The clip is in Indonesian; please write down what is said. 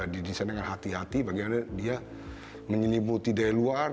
didesain dengan hati hati bagaimana dia menyelimuti dari luar